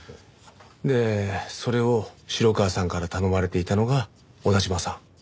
でそれを城川さんから頼まれていたのが小田嶋さん。